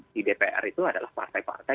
di dpr itu adalah partai partai